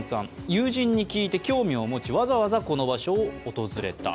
友人に聞いて興味を持ちわざわざこの場所を訪れた。